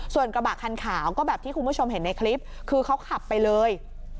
ส่วนกระบะคันขาวก็แบบที่คุณผู้ชมเห็นในคลิปคือเขาขับไปเลย